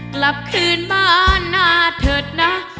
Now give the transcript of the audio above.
กลับคืนบ้านหน้าเถิดนะ